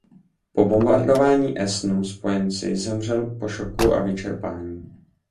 Po bombardování Essenu spojenci zemřel po šoku a vyčerpání.